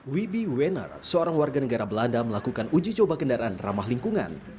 wibi wenner seorang warga negara belanda melakukan uji coba kendaraan ramah lingkungan